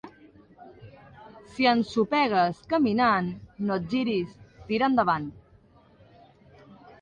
Si ensopegues caminant, no et giris, tira endavant.